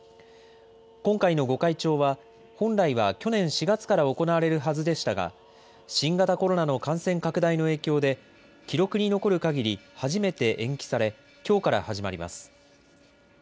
今回の御開帳は、本来は去年４月から行われるはずでしたが、新型コロナの感染拡大の影響で、記録に残るかぎり初めて延期され、きょうから始まります。